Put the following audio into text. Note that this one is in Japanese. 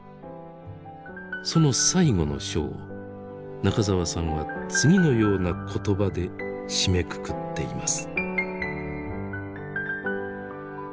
その最後の章を中沢さんは次のような言葉で締めくくっています。